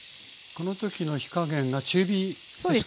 この時の火加減が中火ですか？